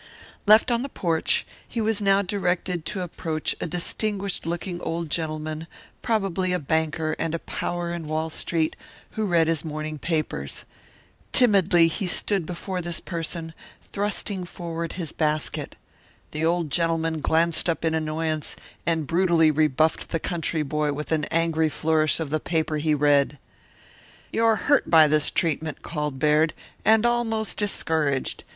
Left on the porch, he was now directed to approach a distinguished looking old gentleman, probably a banker and a power in Wall Street, who read his morning papers. Timidly he stood before this person, thrusting forward his basket. The old gentleman glanced up in annoyance and brutally rebuffed the country boy with an angry flourish of the paper he read. "You're hurt by this treatment," called Baird, "and almost discouraged.